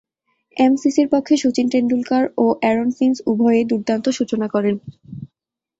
এমসিসি’র পক্ষে শচীন তেন্ডুলকর ও Aaron Finch উভয়েই দূর্দান্ত সূচনা করেন।